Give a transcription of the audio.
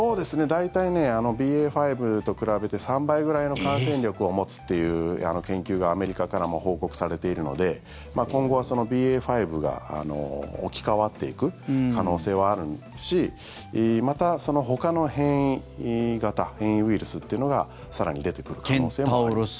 大体、ＢＡ．５と比べて３倍ぐらいの感染力を持つという研究がアメリカからも報告されているので今後はＢＡ．５が置き換わっていく可能性はあるしまた、ほかの変異型変異ウイルスというのが更に出てくる可能性がある。